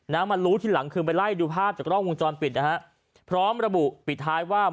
มารู้ทีหลังคือไปไล่ดูภาพจากกล้องวงจรปิดนะฮะพร้อมระบุปิดท้ายว่า